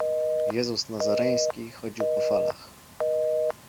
Jezus Nazareński chodził po falach.